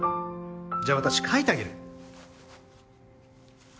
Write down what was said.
じゃあ私書いてあげる